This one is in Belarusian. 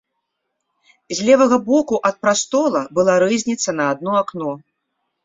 З левага боку ад прастола была рызніца на адно акно.